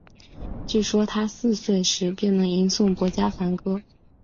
据说他四岁时便能吟诵薄伽梵歌。